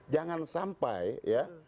jangan sampai ya